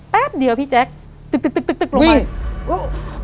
แป๊บเดียวพี่แจ๊คตึ๊กลงไป